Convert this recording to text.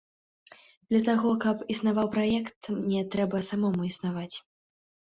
Для таго, каб існаваў праект, мне трэба самому існаваць.